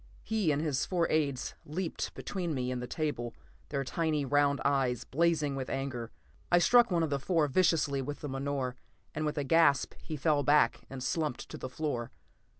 He and his four aides leaped between me and the table, their tiny round eyes blazing with anger. I struck one of the four viciously with the menore, and with a gasp he fell back and slumped to the floor.